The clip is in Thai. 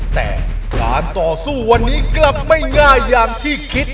แต่การต่อสู้วันนี้กลับไม่ง่ายอย่างที่คิด